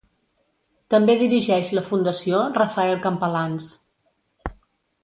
També dirigeix la Fundació Rafael Campalans.